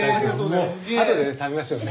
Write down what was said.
あとで食べましょうね。